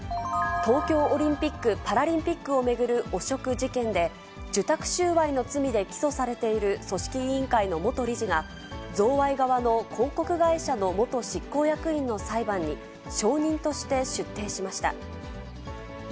東京オリンピック・パラリンピックを巡る汚職事件で、受託収賄の罪で起訴されている組織委員会の元理事が、贈賄側の広告会社の元執行役員の裁判に、証人として出廷しました。